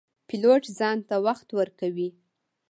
پیلوټ ځان ته وخت ورکوي.